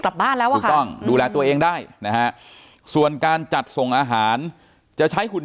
กลับบ้านแล้วดูแลตัวเองได้ส่วนการจัดส่งอาหารจะใช้หุ่น